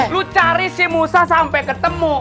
lu cari si usah sampe ketemu